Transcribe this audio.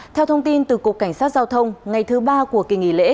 theo thông tin từ cục cảnh sát giao thông ngày thứ ba của kỳ nghỉ lễ